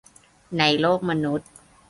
ในโลกมนุษย์